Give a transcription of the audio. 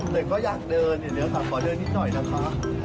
แต่ก็อยากเดินเดี๋ยวขอเดินนิดหน่อยนะคะ